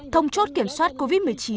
thông chốt kiểm soát covid một mươi chín